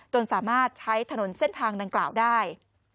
สามารถใช้ถนนเส้นทางดังกล่าวได้